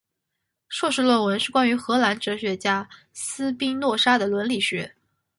硕士论文是关于荷兰哲学家斯宾诺莎的伦理学。